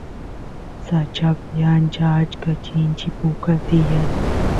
sachapi ancha achka chinchi puka tiyan